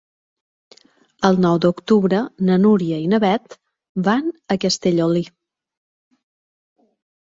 El nou d'octubre na Núria i na Beth van a Castellolí.